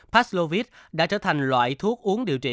paxlovit đã trở thành loại thuốc uống điều trị